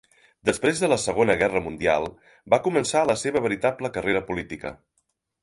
Després de la Segona Guerra Mundial va començar la seva veritable carrera política.